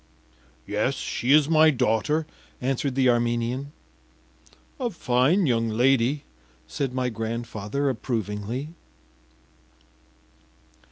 ” “Yes, she is my daughter,” answered the Armenian. “A fine young lady,” said my grandfather approvingly.